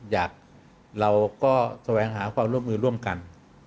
เราก็แสวงหาความร่วมมือร่วมกัน